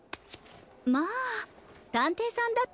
まあたんていさんだったんですね。